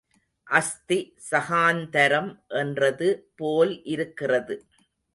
அஸ்தி சகாந்தரம் என்றது போல் இருக்கிறது.